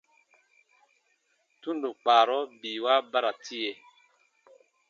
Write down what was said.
Tundo kpaarɔ biiwa ba ra tie.